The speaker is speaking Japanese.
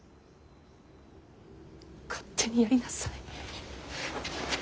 勝手にやりなさい。